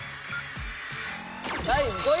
第５位。